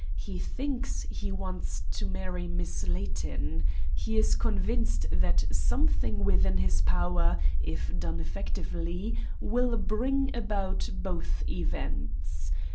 He thinks he wants to marry Miss Layton. He is convinced that something within his power, if done effectively, will bring about both events.